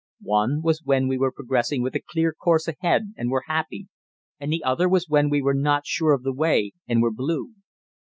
One was when we were progressing with a clear course ahead and were happy, and the other was when we were not sure of the way and were blue.